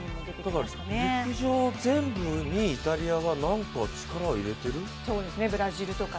だから、陸上全部にイタリアは力を入れている？